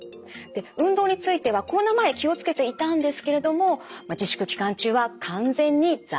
運動についてはコロナ前気を付けていたんですけれども自粛期間中は完全に在宅勤務。